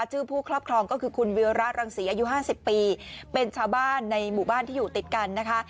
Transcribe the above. ผู้ครอบครองก็คือคุณวิวระรังศรีอายุ๕๐ปีเป็นชาวบ้านในหมู่บ้านที่อยู่ติดกันนะคะ